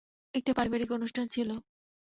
একটা পারিবারিক অনুষ্ঠান ছিল।